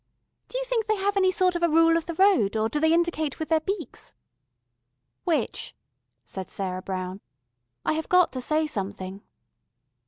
Do you think they have any sort of a rule of the road, or do they indicate with their beaks " "Witch," said Sarah Brown, "I have got to say something."